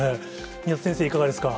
宮田先生、いかがですか。